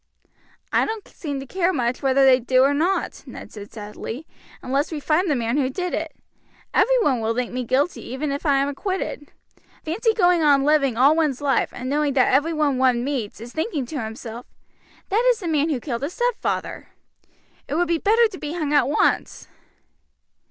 "I don't seem to care much whether they do or not," Ned said sadly, "unless we find the man who did it. Every one will think me guilty even if I am acquitted. Fancy going on living all one's life and knowing that everyone one meets is thinking to himself, 'That is the man who killed his stepfather' it would be better to be hung at once."